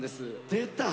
出た！